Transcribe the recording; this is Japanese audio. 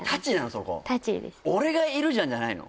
そこ「達」です「俺がいるじゃん」じゃないの？